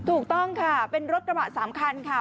ถูกต้องค่ะเป็นรถกระบะ๓คันค่ะ